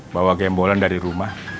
bawa gembolan dari rumah